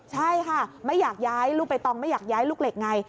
ใช่ค่ะไม่อยากย้ายลูกใบตองไม่อยากย้ายลูกเหล็กไง